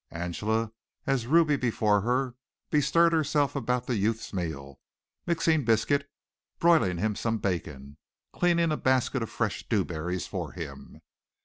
Angela, as Ruby before her, bestirred herself about the youth's meal, mixing biscuit, broiling him some bacon, cleaning a basket of fresh dewberries for him.